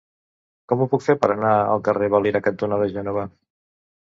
Com ho puc fer per anar al carrer Valira cantonada Gènova?